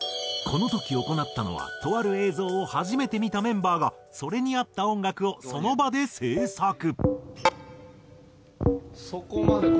この時行ったのはとある映像を初めて見たメンバーがそれに合った音楽をその場で制作。